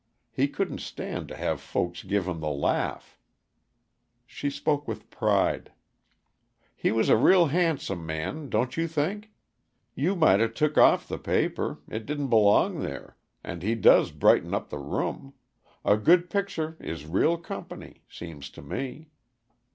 He couldn't stand to have folks give him the laugh." She spoke with pride. "He was a real handsome man, don't you think? You mighta took off the paper; it didn't belong there, and he does brighten up the room. A good picture is real company, seems to me.